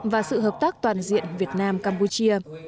và sự hợp tác toàn diện việt nam campuchia